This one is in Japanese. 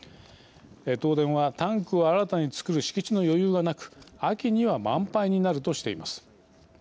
東電はタンクを新たに造る敷地の余裕がなく秋には満杯になるとしています。